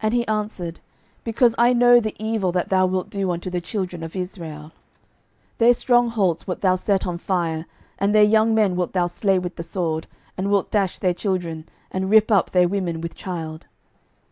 And he answered, Because I know the evil that thou wilt do unto the children of Israel: their strong holds wilt thou set on fire, and their young men wilt thou slay with the sword, and wilt dash their children, and rip up their women with child.